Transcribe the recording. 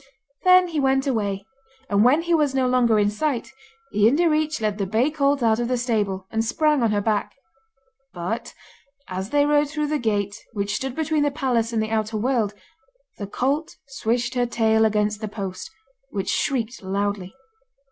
Then he went away; and when he was no longer in sight, Ian Direach led the bay colt out of the stable, and sprang on her back. But as they rode through the gate, which stood between the palace and the outer world, the colt swished her tail against the post, which shrieked loudly.